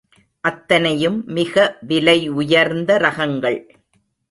அத்தனையும் மிக விலை உயர்ந்த ரகங்கள்.